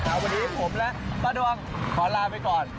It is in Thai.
วันนี้ผมและป้าดวงขอลาไปก่อน